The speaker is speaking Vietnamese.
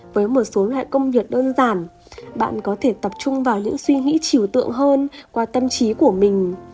với một số loại công việc đơn giản bạn có thể tập trung vào những suy nghĩ chiều tượng hơn qua tâm trí của mình